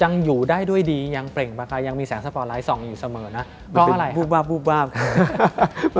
เอาเพลงพิกัสซิฟใช่ไหม